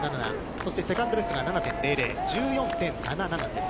そしてセカンドベストが７．００、１４．７７です。